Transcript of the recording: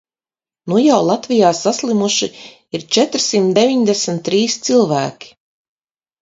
Nu jau Latvijā saslimuši ir četrsimt deviņdesmit trīs cilvēki.